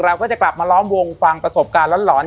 เราก็จะกลับมาล้อมวงฟังประสบการณ์หลอน